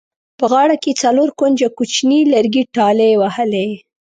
په غاړه کې یې څلور کونجه کوچیني لرګي ټالۍ وهلې.